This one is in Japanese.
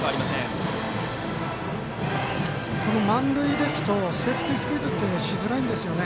満塁ですとセーフティースクイズってしづらいんですよね。